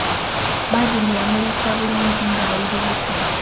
Badru yamuliisa bulungi ng'ali lubuto.